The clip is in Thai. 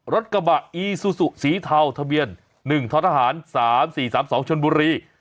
รถกระบะอีซูซูสีเทาทะเบียน๑ท้อทหาร๓๔๓๒ชนบุรี